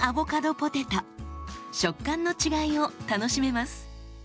食感の違いを楽しめます。